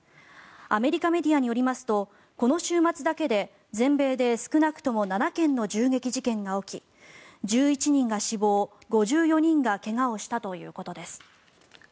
アメリカメディアによりますとこの週末だけで全米で少なくとも７件の銃撃事件が起き１１人が死亡、５４人が怪我をしたということです。